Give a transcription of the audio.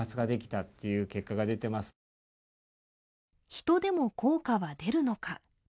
人でも効果は出るのか。